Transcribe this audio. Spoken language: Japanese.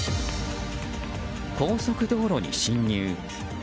高速道路に進入。